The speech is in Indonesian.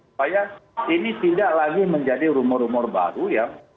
supaya ini tidak lagi menjadi rumor rumor baru yang